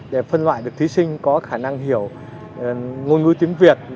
để phân loại được thí sinh có khả năng hiểu ngôn ngữ tiếng việt